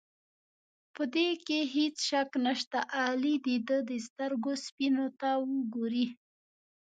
په دې کې هېڅ شک نشته، اغلې د ده د سترګو سپینو ته وګورئ.